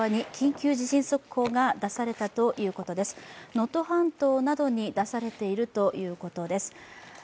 能登半島などに出されているということです。